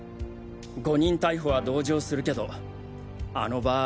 誤認逮捕は同情するけどあの場合。